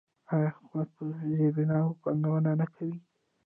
آیا حکومت په زیربناوو پانګونه نه کوي؟